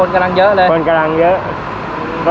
สวัสดีครับ